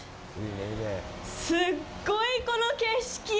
すっごい、この景色！